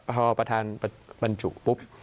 พอประธานบรรจุปุ๊บ